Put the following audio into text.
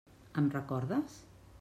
Em recordes?